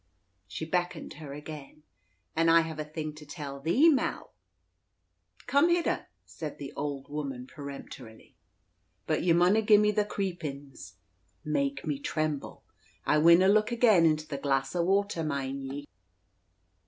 She beckoned her again. "An' I hev a thing to tell thee, Mall." "Come hidder," said the old woman peremptorily. "But ye munna gie me the creepin's" (make me tremble). "I winna look again into the glass o' water, mind ye."